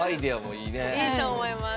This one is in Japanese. いいと思います。